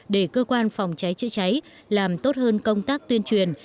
để cơ quan phòng cháy chữa cháy làm tốt hơn công tác tuyên truyền